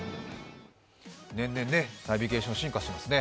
年々ナビゲーション、進化しますね。